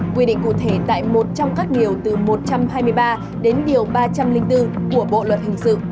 quy định cụ thể tại một trong các điều từ một trăm hai mươi ba đến điều ba trăm linh bốn của bộ luật hình sự